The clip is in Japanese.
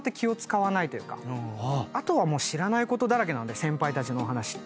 あとは知らないことだらけなんで先輩たちのお話って。